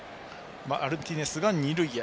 マルティネスが二塁へ。